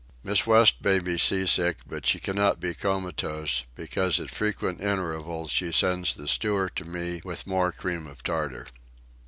Miss West may be sea sick, but she cannot be comatose, because at frequent intervals she sends the steward to me with more cream of tartar.